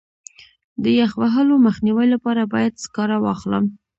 د یخ وهلو مخنیوي لپاره باید سکاره واخلم.